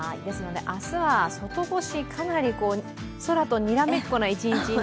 明日は外干し、かなり空とにらめっこの一日に。